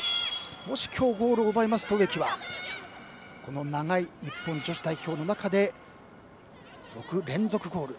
もし、今日ゴールを奪えますと植木は長い日本女子代表の中で６連続ゴール